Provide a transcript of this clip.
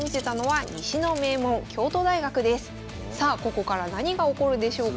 さあここから何が起こるでしょうか。